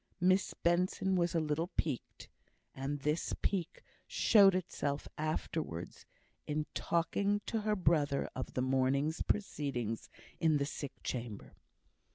Miss Benson was a little piqued; and this pique showed itself afterwards in talking to her brother of the morning's proceedings in the sick chamber.